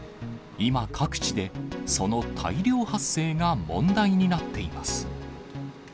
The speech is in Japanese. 今、各地で、その大量発生が問題になっています。